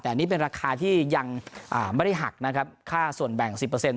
แต่อันนี้เป็นราคาที่ยังอ่าไม่ได้หักนะครับค่าส่วนแบ่งสิบเปอร์เซ็นต์